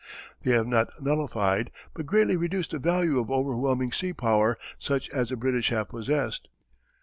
They have not nullified, but greatly reduced the value of overwhelming sea power such as the British have possessed.